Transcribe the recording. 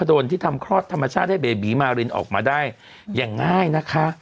โดนที่ทำคลอดธรรมชาติให้เบบีมารินออกมาได้อย่างง่ายนะคะ